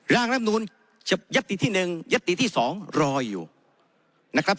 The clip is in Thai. ร่างรับนูลยศติที่๑ยศติที่๒รออยู่นะครับ